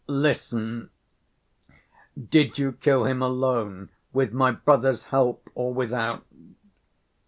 "Listen. Did you kill him alone? With my brother's help or without?"